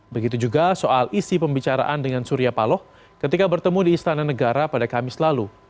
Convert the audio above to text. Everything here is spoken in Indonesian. begitu juga soal isi pembicaraan dengan surya paloh ketika bertemu di istana negara pada kamis lalu